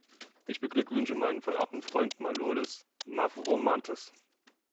Ich beglückwünsche meinen verehrten Freund Manolis Mavrommatis.